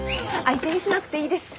相手にしなくていいです。